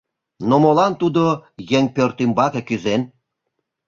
Но молан тудо еҥ пӧрт ӱмбаке кӱзен?